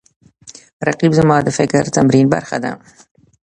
رقیب زما د فکري تمرین برخه ده